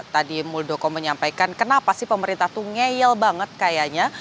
tadi muldoko menyampaikan kenapa sih pemerintah tuh ngeyel banget kayaknya